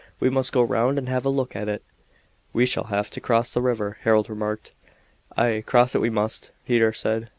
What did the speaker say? "We must go round and have a look at it." "We shall have to cross the river," Harold remarked. "Ay, cross it we must," Peter said.